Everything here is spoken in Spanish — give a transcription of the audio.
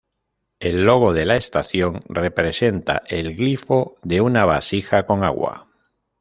El logo de la estación representa el glifo de una vasija con agua.